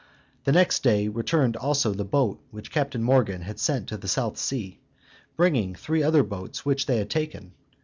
The same day returned also the boat which Captain Morgan had sent to the South Sea, bringing three other boats which they had taken.